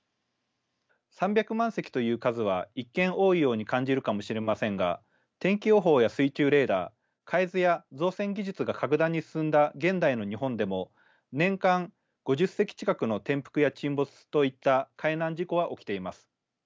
３００万隻という数は一見多いように感じるかもしれませんが天気予報や水中レーダー海図や造船技術が格段に進んだ現代の日本でも年間５０隻近くの転覆や沈没といった海難事故は起きています。